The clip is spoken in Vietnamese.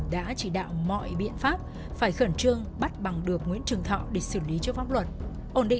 sau khi đe dọa sẽ giết chết nếu chị m không đồng ý